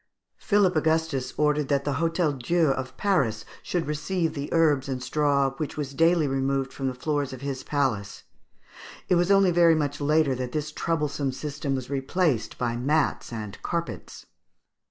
Philip Augustus ordered that the Hôtel Dieu of Paris should receive the herbs and straw which was daily removed from the floors of his palace. It was only very much later that this troublesome system was replaced by mats and carpets.